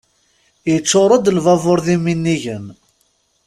Iččur-d lbabur d iminigen.